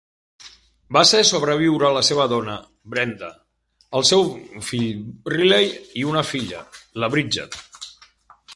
Va ser sobreviure la seva dona Brenda, el seu fill Riley, i una filla, la Bridgette.